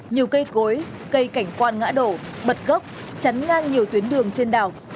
nhiều cây cối cây cảnh quan ngã đổ bật gốc chắn ngang nhiều tuyến đường trên đảo